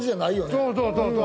そうそうそうそう。